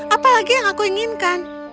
apa lagi yang aku inginkan